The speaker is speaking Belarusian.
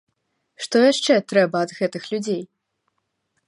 Што яшчэ трэба ад гэтых людзей?